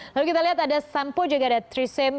lalu kita lihat ada sampo juga ada tricem